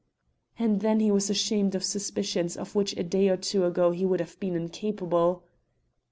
And then he was ashamed of suspicions of which a day or two ago he would have been incapable.